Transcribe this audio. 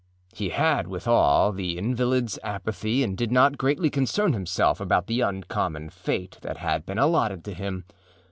He had, withal, the invalidâs apathy and did not greatly concern himself about the uncommon fate that had been allotted to him.